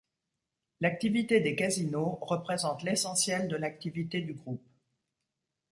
L'activité des casinos représente l'essentiel de l'activité du Groupe.